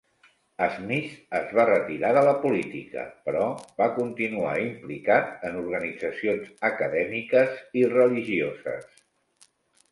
Smith es va retirar de la política, però va continuar implicat en organitzacions acadèmiques i religioses.